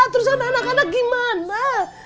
terus anak anak gimana